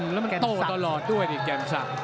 แล้วมันโตตลอดด้วยเนี่ยแกนสัตว์